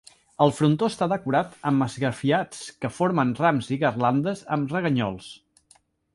El frontó està decorat amb esgrafiats que formen rams i garlandes amb reganyols.